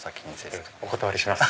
お断りします。